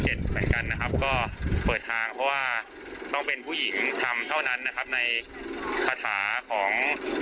แจ้งบอกไปใช้ต้องเป็นผู้หญิง